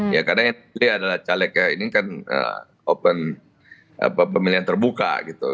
ya karena calegnya ini kan pemilihan terbuka gitu